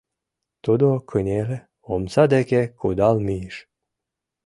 Тудо кынеле, омса деке кудал мийыш.